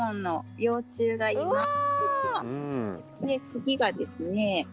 次がですね。